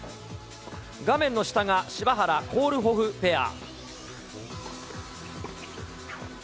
画面の下が、柴原・コールホフペア。